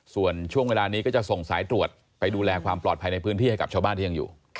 ส่วนช่วงเวลานี้ก็จะส่งสายตรวจไปดูแลความปลอดภัยในพื้นที่ให้กับชาวบ้านที่ยังอยู่